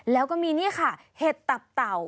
แล้วก็มีนี่ค่ะเห็ดตับเต่า